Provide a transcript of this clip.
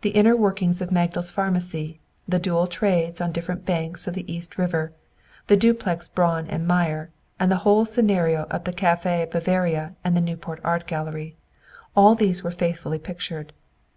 The inner workings of Magdal's Pharmacy, the dual trades on different banks of the East River, the duplex Braun and Meyer, and the whole scenario of the Cafe Bavaria and the Newport Art Gallery all these were faithfully pictured.